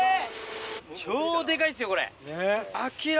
超でかいっすよ、これ。